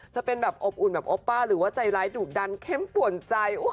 จะเป็นแบบอบอุ่นแบบโอป้าหรือว่าใจร้ายดุดันเข้มป่วนใจ